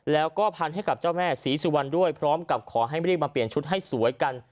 แล้วก็พันให้กับเจ้าแม่ศรีสุวรรณด้วยพร้อมกับขอให้รีบมาเปลี่ยนชุดให้สวยกัน